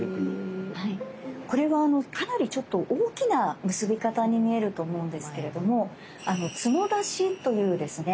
これはかなり大きな結び方に見えると思うんですけれども「角出し」というですね